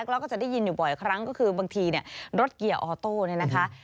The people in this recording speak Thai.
แล้วก็จะได้ยินอยู่บ่อยครั้งก็คือบางทีเนี่ยรถเกียร์ออโต้เนี่ยนะคะ